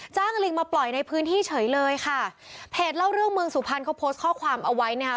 ลิงมาปล่อยในพื้นที่เฉยเลยค่ะเพจเล่าเรื่องเมืองสุพรรณเขาโพสต์ข้อความเอาไว้นะคะ